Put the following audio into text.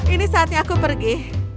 ini saatnya aku pergi